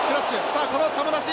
さあこの球出し。